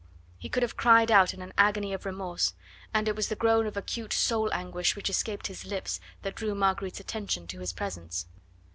He could have cried out in an agony of remorse, and it was the groan of acute soul anguish which escaped his lips that drew Marguerite's attention to his presence.